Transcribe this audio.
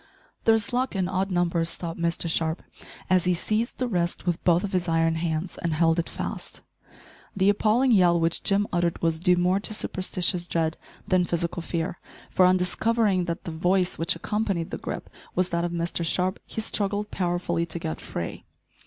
"There's luck in odd numbers," thought Mr Sharp, as he seized the wrist with both of his iron hands, and held it fast. The appalling yell which Jim uttered was due more to superstitious dread than physical fear, for, on discovering that the voice which accompanied the grip was that of Mr Sharp, he struggled powerfully to get free.